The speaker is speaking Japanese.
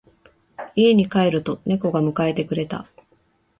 家に帰ると猫が迎えてくれた。